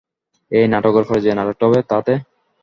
এ নাটকের পরে যে নাটকটা হবে, তাতে।